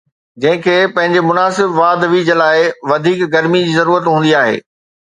جنهن کي پنهنجي مناسب واڌ ويجهه لاءِ وڌيڪ گرمي جي ضرورت هوندي آهي